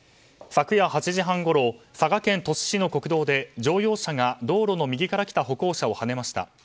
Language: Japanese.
昨夜８時半ごろ佐賀県鳥栖市の国道で乗用車が道路の右から来た歩行者をはねました。